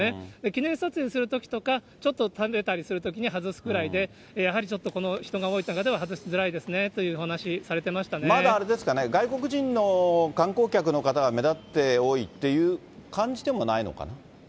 記念撮影するときとか、ちょっと食べたりするときに外すくらいで、やはりちょっと人が多い中では外しづらいですねというお話、されまだあれですかね、外国人の観光客の方が目立って多いという感じでもないのかな。